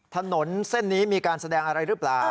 ถนนเส้นนี้มีการแสดงอะไรหรือเปล่า